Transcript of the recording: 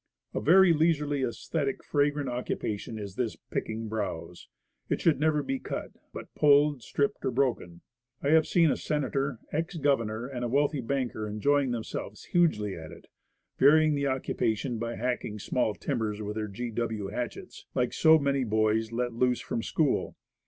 A very leisurely, aesthetic, fragrant occupation is this picking browse. It should never be cut, but pulled, stripped or broken. I have seen a Senator, ex Governor, and a wealthy banker enjoying them selves hugely at it, varying the occupation by hacking G. W. Hatchet. 83 small timber with their G. W. hatchets, like so many boys let loose from school.